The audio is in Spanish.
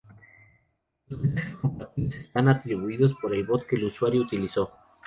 Los mensajes compartidos están atribuidos por el bot que el usuario utilizó.